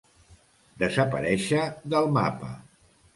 Desaparèixer del mapa.